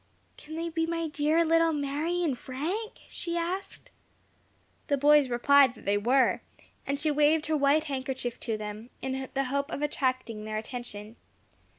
"Can they be my dear little Mary and Frank?" she asked. The boys replied that they were, and she waved her white handkerchief to them, in the hope of attracting their attention.